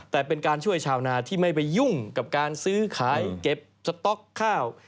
แต่เป็นการช่วยชาวนาที่ไม่ไปยุ่งกับการซื้อขายเก็บสต๊อกข้าว